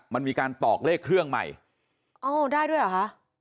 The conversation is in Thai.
มันมีการตอกเลขเครื่องใหม่เอ้าได้ด้วยเหรอคะ